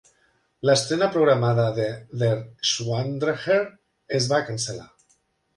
L'estrena programada de "Der Schwanendreher" es va cancel·lar.